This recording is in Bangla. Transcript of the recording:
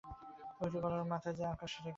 উঁচু কলার পরে মাথা যে আকাশে গিয়ে ঠেকল!